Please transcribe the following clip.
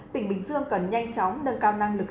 tỉnh bình dương cần nhanh chóng nâng cao năng lực